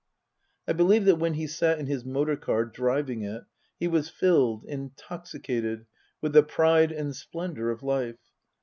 I believe that when he sat in his motor car, driving it, he was filled, intoxicated, with the pride and splendour of life.